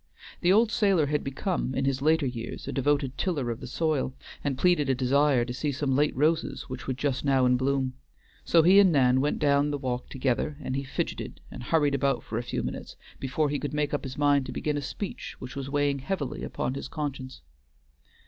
The old sailor had become in his later years a devoted tiller of the soil, and pleaded a desire to see some late roses which were just now in bloom. So he and Nan went down the walk together, and he fidgeted and hurried about for a few minutes before he could make up his mind to begin a speech which was weighing heavily on his conscience.